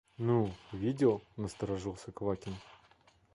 – Ну, видел, – насторожился Квакин.